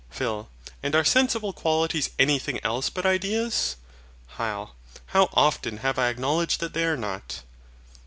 PHIL. And are sensible qualities anything else but ideas? HYL. How often have I acknowledged that they are not.